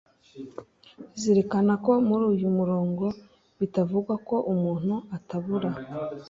zirikana ko muri uyu murongo bitavugwa ko umuntu atabura